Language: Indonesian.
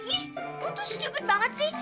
ih lo tuh stupid banget sih